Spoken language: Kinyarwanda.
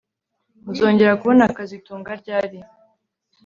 Uzongera kubona kazitunga ryari